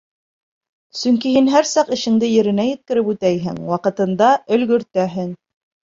Сөнки һин һәр саҡ эшеңде еренә еткереп үтәйһең, ваҡытында өлгөртәһең.